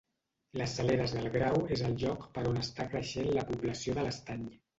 Les Saleres del Grau és el lloc per on està creixent la població de l'Estany.